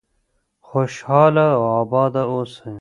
خوشحاله او آباد اوسئ.